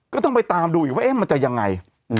ก็ต้องไปตามดูอีกว่ามันจะยังไง